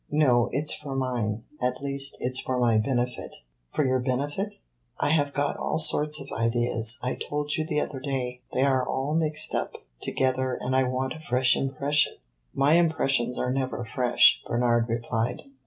"No, it 's for mine. At least, it 's for my benefit." "For your benefit?" "I have got all sorts of ideas I told you the other day. They are all mixed up together and I want a fresh impression." "My impressions are never fresh," Bernard replied.